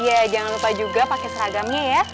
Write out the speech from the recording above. iya jangan lupa juga pakai seragamnya ya